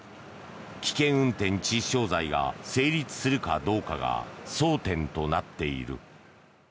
危険運転致死傷罪が成立するかどうかが争点となっている。